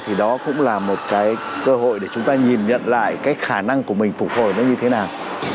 thì đó cũng là một cái cơ hội để chúng ta nhìn nhận lại cái khả năng của mình phục hồi nó như thế nào